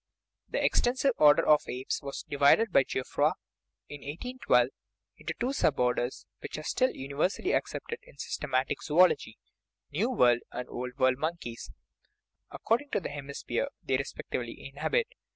The extensive order of apes was divided by Geoffroi, in 1812, into two sub orders, which are still universally accepted in systematic zoology New World and Old World monkeys, according to the hemisphere they re spectively inhabit.